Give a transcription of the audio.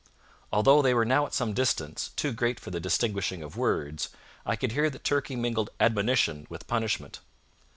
Although they were now at some distance, too great for the distinguishing of words, I could hear that Turkey mingled admonition with punishment.